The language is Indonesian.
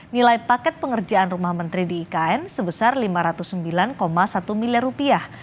nilai paket pengerjaan rumah menteri di ikn sebesar lima ratus sembilan satu miliar rupiah